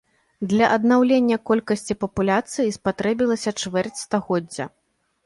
Для аднаўлення колькасці папуляцыі спатрэбілася чвэрць стагоддзя.